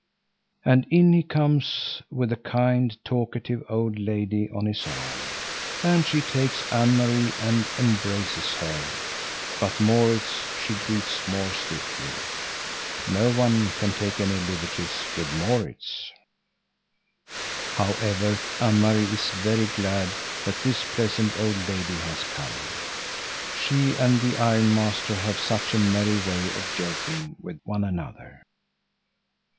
And in he comes, with a kind, talkative old lady on his arm. And she takes Anne Marie and embraces her, but Maurits she greets more stiffly. No one can take any liberties with Maurits. However, Anne Marie is very glad that this pleasant old lady has come. She and the ironmaster have such a merry way of joking with one another.